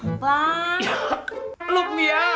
kegiatan widi kegiatan